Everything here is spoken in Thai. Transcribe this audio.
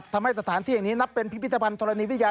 ทำให้สถานที่นี้เป็นพิพิธบันธุรณีวิทยา